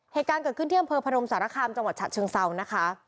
เหตุการณ์เกิดขึ้นที่อำเภอพนมสารคามจังหวัดฉะเชิงเซานะคะ